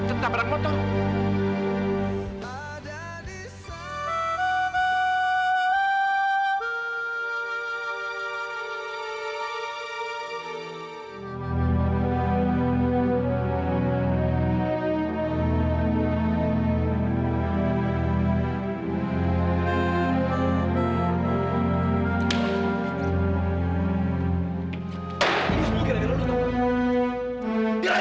kenapa gak denger dulu dulu eh